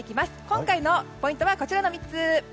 今回のポイントはこちらの３つ。